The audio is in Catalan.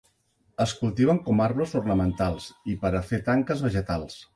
Es cultiven com arbres ornamentals i per a fer tanques vegetals.